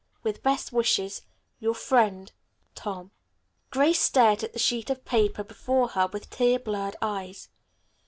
With best wishes, "Your friend, "TOM." Grace stared at the sheet of paper before her, with tear blurred eyes.